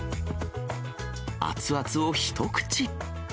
熱々を一口。